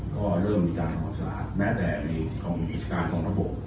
ก็เริ่มมีการออกสะอาดแม้แต่ในบริษฐ์การทำคมปกรรม